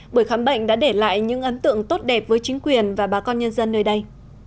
buổi khám bệnh đã để lại những ấn tượng tốt đẹp với chính quyền và bà con nhân dân nơi đây